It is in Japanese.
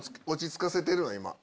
落ち着かせてるの今。